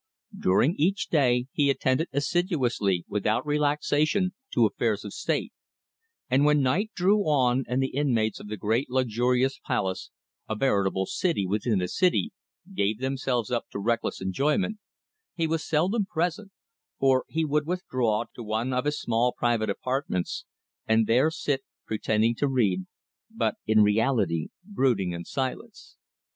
During each day he attended assiduously without relaxation to affairs of state, and when night drew on and the inmates of the great luxurious palace, a veritable city within a city, gave themselves up to reckless enjoyment, he was seldom present, for he would withdraw to one of his small private apartments, and there sit, pretending to read, but in reality brooding in silence.